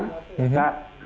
virus virus yang berkeliaran